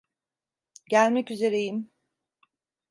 Gelmek üzereyim.